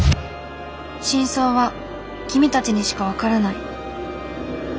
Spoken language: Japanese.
「真相は君たちにしかわからない」。